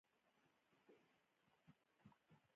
چې هر یو یې د تاریخي لرغونتوب له کبله ارزښت لري.